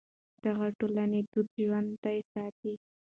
دغه ټولنې دود ژوندی ساتي.